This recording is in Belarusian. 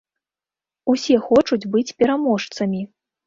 Усе хочуць быць пераможцамі.